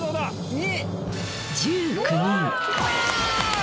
２！